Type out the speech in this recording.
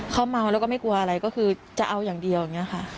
เขาเมาแล้วก็ไม่กลัวอะไรก็คือจะเอาอย่างเดียวอย่างนี้ค่ะ